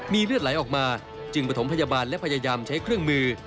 มีเลือดไหลออกมาจึงประถมพยาบาลและพยายามใช้เครื่องมือ